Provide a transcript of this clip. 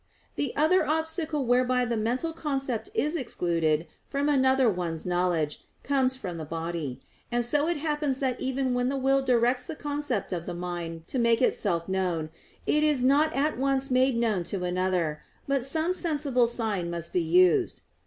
The other obstacle whereby the mental concept is excluded from another one's knowledge, comes from the body; and so it happens that even when the will directs the concept of the mind to make itself known, it is not at once make known to another; but some sensible sign must be used.